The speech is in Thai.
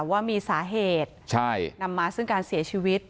ว่ามีสาเหตุนำมาซึ่งการเสียชีวิต